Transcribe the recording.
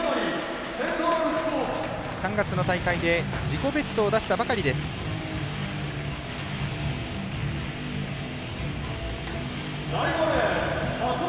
３月の大会で自己ベストを出したばかりです眞野。